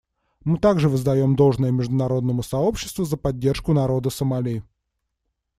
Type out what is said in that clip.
Мы также воздаем должное международному сообществу за поддержку народа Сомали.